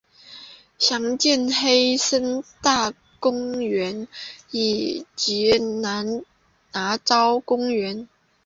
详见黑森大公国以及拿绍公国。